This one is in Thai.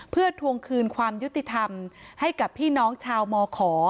เพื่อทวงคืนความยุติธรรมให้กับพี่น้องชาวมข